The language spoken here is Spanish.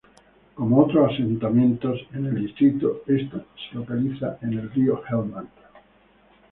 Como otros asentamientos en el distrito, esta se localiza en el río Helmand.